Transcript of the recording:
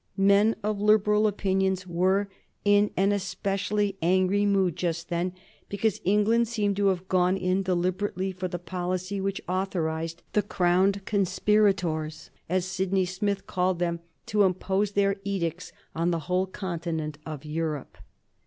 Men of liberal opinions were in an especially angry mood just then because England seemed to have gone in deliberately for the policy which authorized the "crowned conspirators," as Sydney Smith called them, to impose their edicts on the whole continent of Europe.